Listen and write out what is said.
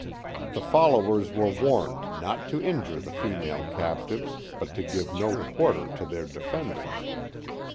The followers were warned not to injure the female captives, but to give no quarter to their defenders.